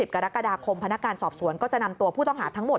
กรกฎาคมพนักการสอบสวนก็จะนำตัวผู้ต้องหาทั้งหมด